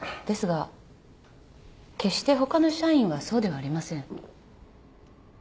ですが決して他の社員はそうではありません。